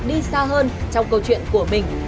đi xa hơn trong câu chuyện của mình